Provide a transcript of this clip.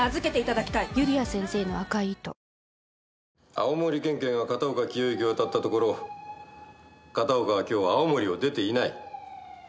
青森県警が片岡清之を当たったところ片岡は今日青森を出ていない。